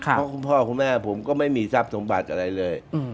เพราะคุณพ่อคุณแม่ผมก็ไม่มีทรัพย์สมบัติอะไรเลย